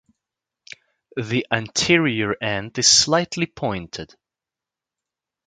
The anterior end is slightly pointed.